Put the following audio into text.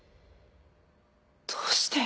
どうして？